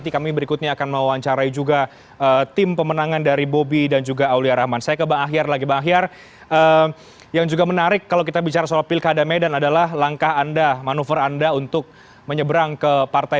kami akan segera kembali sesaat lagi